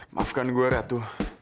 maafkan gue ratu